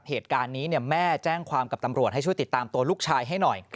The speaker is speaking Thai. เหตุการณ์นี้แม่แจ้งความกับตำรวจให้ช่วยติดตามตัวลูกชายให้หน่อย